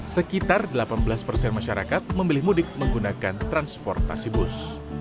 sekitar delapan belas persen masyarakat memilih mudik menggunakan transportasi bus